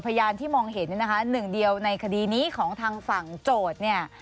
พยานที่มองเห็นเนี่ยนะคะหนึ่งเดียวในคดีนี้ของทางฝั่งโจทย์เนี่ย